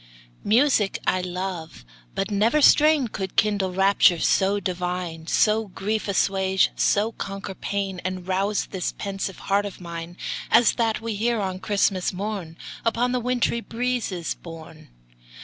Music I love but never strain Could kindle raptures so divine, So grief assuage, so conquer pain, And rouse this pensive heart of mine As that we hear on Christmas morn, Upon the wintry breezes borne.